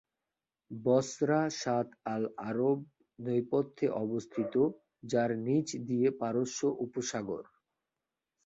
বসরা Shatt al Arab নৌপথে অবস্থিত, যার নিচ দিয়ে পারস্য উপসাগর।